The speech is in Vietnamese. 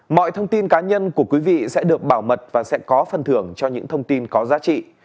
mọi thông tin cá nhân của quý vị sẽ được bảo mật và sẽ có phần thưởng cho những thông tin có giá trị